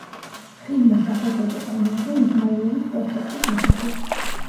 ხიდმა სახელწოდება მიიღო იზმაილოვის პროსპექტის მიხედვით.